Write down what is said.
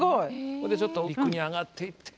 ほんでちょっと陸に上がっていって。